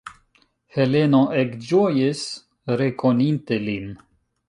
Heleno ekĝojis, rekoninte lin.